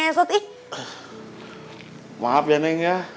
anklim tu adik pelomet perumahan ini